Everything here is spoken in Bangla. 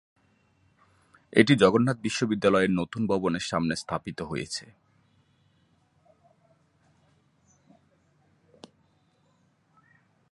এটি জগন্নাথ বিশ্ববিদ্যালয়ের নতুন ভবনের সামনে স্থাপিত হয়েছে।